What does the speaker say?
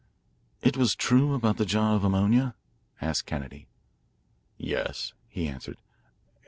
"It was true about the jar of ammonia?" asked Kennedy. "Yes," he answered.